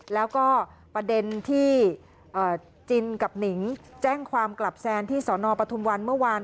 แล้วก็ประเด็นที่จินกับหนิงแจ้งความกลับแซนที่สนปทุมวันเมื่อวาน